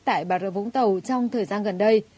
tại bà rơ vũng tàu trong thời gian gần đây